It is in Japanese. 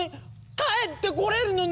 帰ってこれるのね